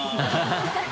ハハハ